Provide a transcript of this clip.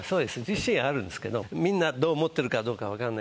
自信あるんですけどみんなどう思ってるかどうか分かんないけど。